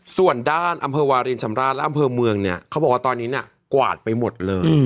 ส่วนด้านอำเภอวารินชำราชและอำเภอเมืองเนี่ยเขาบอกว่าตอนนี้เนี่ยกวาดไปหมดเลย